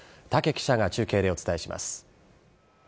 武記者が中継でお伝えします。